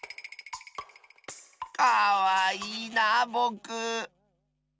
かわいいなあぼく。